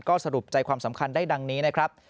ก็สรุปใจความสำคัญได้ดังนี้นะครับ